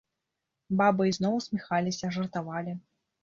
Бабы ізноў усміхаліся, жартавалі.